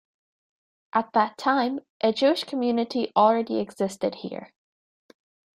At that time, a Jewish community already existed here.